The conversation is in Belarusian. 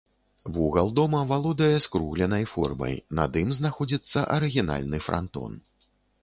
Вугал дома валодае скругленай формай, над ім знаходзіцца арыгінальны франтон.